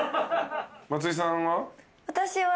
松井さんは？